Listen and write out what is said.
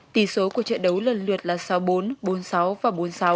tỷ số của trận đấu lần lượt là sáu bốn bốn sáu và bốn sáu